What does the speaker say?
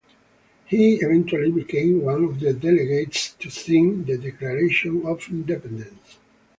He eventually became one of the delegates to sign the Declaration of Independence.